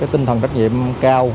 tinh thần trách nhiệm cao